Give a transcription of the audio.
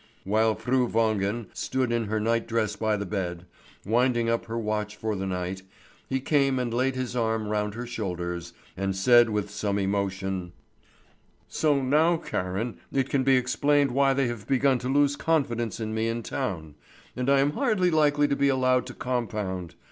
While Fru Wangen stood in her night dress by the bed, winding up her watch for the night, he came and laid his arm round her shoulders, and said with some emotion: "So now, Karen, it can be explained why they have begun to lose confidence in me in town, and I am hardly likely to be allowed to compound.